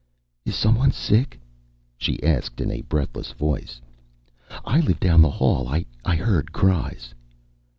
"Is someone sick?" she asked in a breathless voice. "I live down the hall I heard cries."